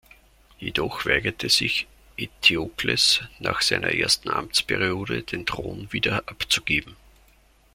Jedoch weigerte sich Eteokles nach seiner ersten Amtsperiode, den Thron wieder abzugeben.